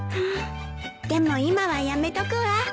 でも今はやめとくわ。